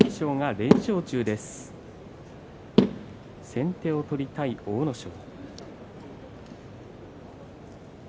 先手を取りたい阿武咲。